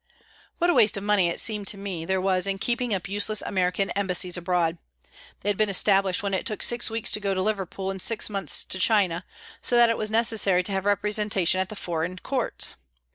What a waste of money it seemed to me there was in keeping up useless American embassies abroad. They had been established when it took six weeks to go to Liverpool and six months to China, so that it was necessary to have representation at the foreign courts.